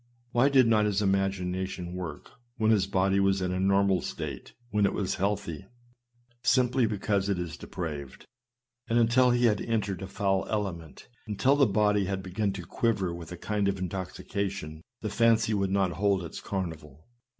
Why did not his imagination work w^hen his body was in a normal state — when it wras healthy ? Simply because it is depraved ; and until he had entered a foul element — until the body THE CARNAL MIND ENMITY AGAINST GOD. 243 had begun to quiver with a ldnd of intoxication — the fancy would not hold its carnival.